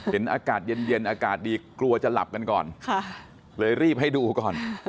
เห็นอากาศเย็นเย็นอากาศดีกลัวจะหลับกันก่อนเลยรีบให้ดูก่อน